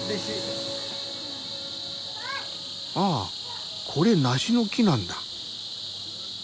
ああこれ梨の木なんだ。